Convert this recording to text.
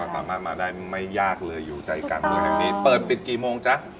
สามารถมาได้ไม่ยากเลยอยู่ใจกลางเมืองแห่งนี้เปิดปิดกี่โมงจ๊ะ